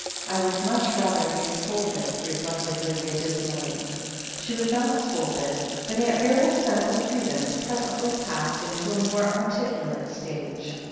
"I would much rather be scolded/' reflected Lydia dismally. She was not scolded, but Aunt Beryl's sense of grievance presently passed into a more articulate stage.